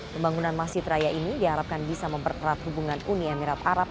pembangunan masjid raya ini diharapkan bisa memperkerat hubungan uni emirat arab